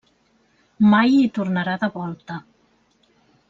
Mai hi tornarà de volta.